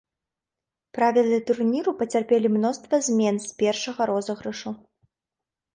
Правілы турніру пацярпелі мноства змен з першага розыгрышу.